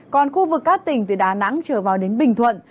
còn khu vực các tỉnh từ đà nẵng trở vào đến bình thuận